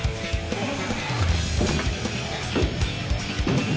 えっ？